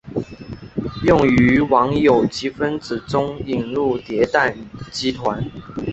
用于往有机分子中引入叠氮基团。